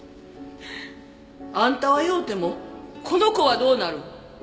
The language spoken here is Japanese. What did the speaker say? あんたはようてもこの子はどうなる？